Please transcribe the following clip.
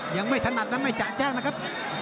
ยังไม่ถนัดนะไม่จะแจ้งนะครับ